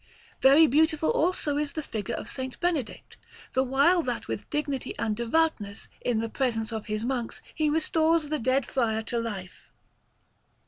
Very beautiful, also, is the figure of S. Benedict, the while that with dignity and devoutness, in the presence of his monks, he restores the dead friar to life.